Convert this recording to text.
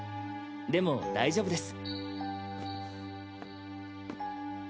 でも大丈夫です。